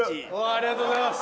ありがとうございます！